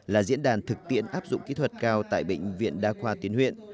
là diễn đàn thực tiện áp dụng kỹ thuật cao tại bệnh viện đa khoa tuyến huyện